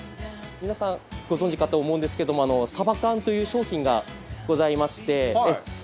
皆さんご存じかと思うんですけどもサヴァ缶という商品がございまして。